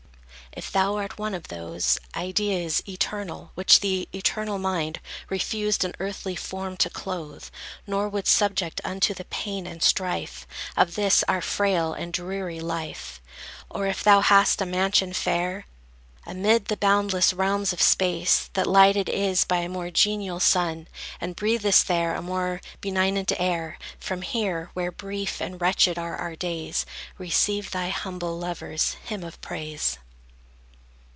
If thou art one of those Ideas eternal, which the Eternal Mind Refused in earthly form to clothe, Nor would subject unto the pain and strife Of this, our frail and dreary life; Or if thou hast a mansion fair, Amid the boundless realms of space, That lighted is by a more genial sun, And breathest there a more benignant air; From here, where brief and wretched are our days, Receive thy humble lover's hymn of praise!